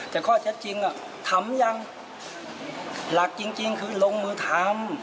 แต่ข้อเท็จจริงทำยังหลักจริงคือลงมือทำ